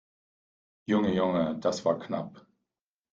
Junge, Junge, das war knapp!